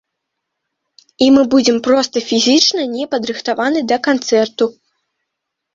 І мы будзем проста фізічна непадрыхтаваны да канцэрту.